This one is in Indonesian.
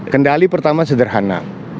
kendali pertama sederhana